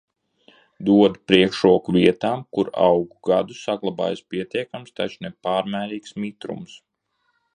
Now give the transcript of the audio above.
Dod priekšroku vietām, kur augu gadu saglabājas pietiekams, taču ne pārmērīgs mitrums.